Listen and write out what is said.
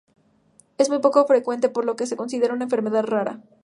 Es muy poco frecuente por lo que se considera una enfermedad rara.